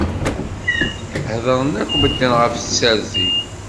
Heddṛen akk medden ɣef tsertit.